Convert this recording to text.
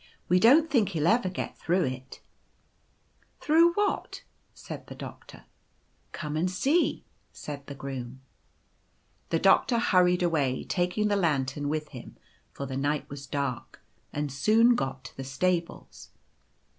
We don't think he'll ever get through it/ " c Through what ?' said the Doctor. "* Come and see/ said the Groom. c< The Doctor hurried away, taking the lantern with him, for the night was dark, and soon got to the Stables.